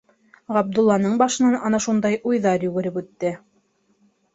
Ғабдулланың башынан ана шундай уйҙар йүгереп үтте.